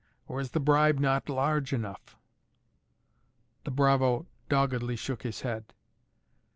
Or is the bribe not large enough?" The bravo doggedly shook his head.